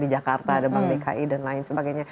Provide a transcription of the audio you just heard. di jakarta ada bank dki dan lain sebagainya